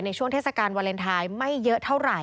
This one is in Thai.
ช่วงเทศกาลวาเลนไทยไม่เยอะเท่าไหร่